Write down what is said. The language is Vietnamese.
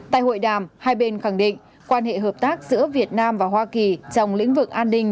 tại hội đàm hai bên khẳng định quan hệ hợp tác giữa việt nam và hoa kỳ trong lĩnh vực an ninh